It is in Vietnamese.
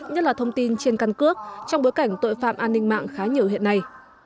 nhất là thông tin trên căn cước trong bối cảnh tội phạm an ninh mạng khá nhiều hiện nay